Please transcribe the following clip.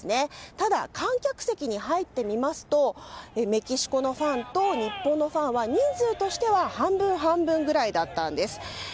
ただ観客席に入ってみますとメキシコのファンと日本のファンは人数としては半分半分ぐらいだったんです。